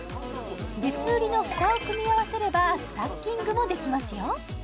別売りの蓋を組み合わせればスタッキングもできますよ